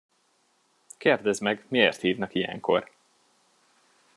Kérdezd meg, miért hívnak ilyenkor!